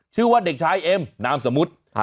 ชื่อว่าเด็กชายเอ็มนามสมมุติ